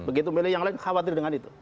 begitu milih yang lain khawatir dengan itu